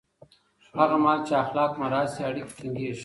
هغه مهال چې اخلاق مراعت شي، اړیکې ټینګېږي.